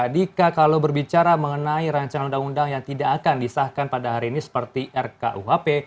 dika kalau berbicara mengenai rancangan undang undang yang tidak akan disahkan pada hari ini seperti rkuhp